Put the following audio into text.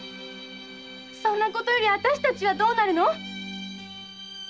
そんなことより私たちはどうなるの？